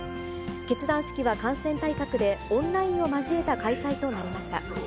結団式は感染対策でオンラインを交えた開催となりました。